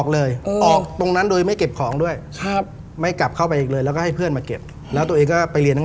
แล้วปิดห้องไปเลย